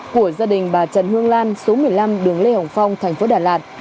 của gia đình bà trần hương lan số một mươi năm đường lê hồng phong tp đà lạt